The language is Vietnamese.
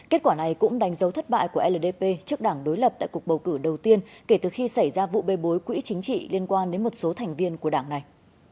kết quả này cũng đánh dấu thất bại của ldp trước đảng đối lập tại cuộc bầu cử đầu tiên kể từ khi xảy ra vụ bê bối quỹ chính trị liên quan đến một số thành viên của đảng này